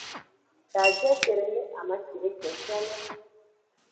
Daje cede le amashideketolo.